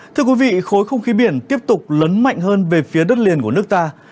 thưa quý vị khối không khí biển tiếp tục lấn mạnh hơn về phía đất liền của nước ta